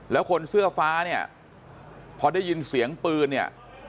แล้วคนเสื้อฟ้าเนี่ยพอได้ยินเสียงปืนเนี่ย